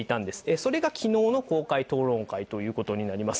それがきのうの公開討論会ということになります。